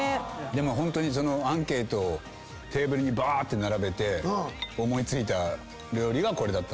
ホントにアンケートをテーブルにばーって並べて思い付いた料理がこれだった。